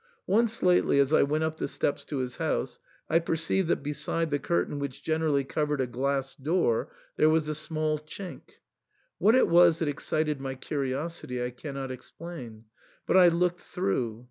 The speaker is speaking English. Once lately, as I went up the steps to his house, I perceived that beside the curtain which generally cov ered a glass door there was a small chink. What it was that excited my curiosity I cannot explain ; but I looked through.